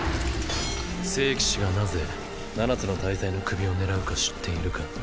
聖騎士がなぜ七つの大罪の首を狙うか知っているか？